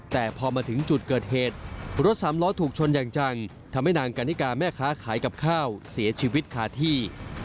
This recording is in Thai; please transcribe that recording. แต่พอมาถึงจุดเกิดเหตุรถสามล้อถูกชนอย่างจังทำให้นางกันนิกาแม่ค้าขายกับข้าวเสียชีวิตขาดที่